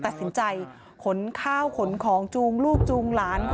ตัดสินใจขนข้าวขนของจูงลูกจูงหลาน